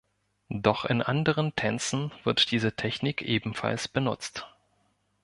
Doch in anderen Tänzen wird diese Technik ebenfalls benutzt.